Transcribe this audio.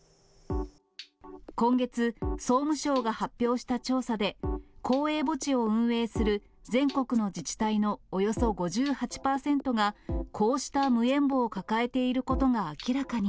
今月、総務省が発表した調査で、公営墓地を運営する全国の自治体のおよそ５８％が、こうした無縁墓を抱えていることが明らかに。